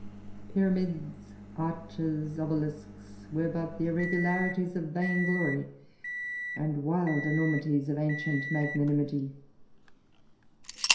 Pyramids, arches, obelisks, were but the irregularities of vainglory and wild enormities of ancient magnanimity.